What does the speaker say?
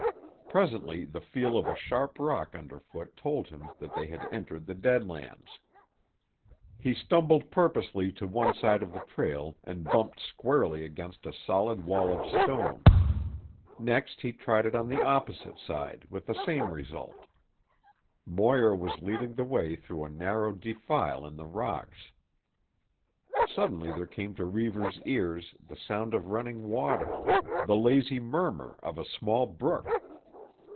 Presently the feel of a sharp rock underfoot told him that they had entered the Dead Lands. He stumbled purposely to one side of the trail and bumped squarely against a solid wall of stone. Next he tried it on the opposite side with the same result. Moir was leading the way through a narrow defile in the rocks. Suddenly there came to Reivers' ears the sound of running water, the lazy murmur of a small brook.